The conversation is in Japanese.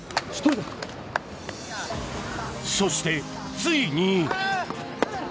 そして、ついに。